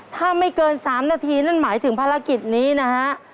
ถ้าไม่เกิน๓นาทีนั่นหมายถึงภารกิจนี้นะฮะ